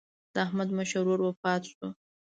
د احمد مشر ورور وفات شو.